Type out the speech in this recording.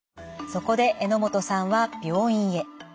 そこで榎本さんは病院へ。